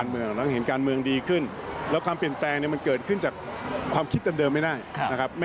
มันเกิดขึ้นจากความคิดเดิมไม่ได้นะครับ